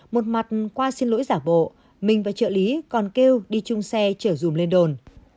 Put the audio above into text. một mặt qua xin lỗi giả bộ mình và trợ lý còn kêu đi chung xe chở dùm lên đồn